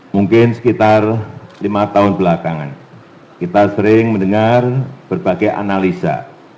mungkin sekitar lima tahun belakangan kita sering mendengar berbagai analisa